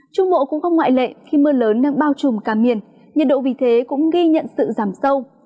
trung bộ cũng không ngoại lệ khi mưa lớn đang bao trùm cả miền nhiệt độ vì thế cũng ghi nhận sự giảm sâu